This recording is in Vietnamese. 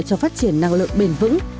cho phát triển năng lượng bền vững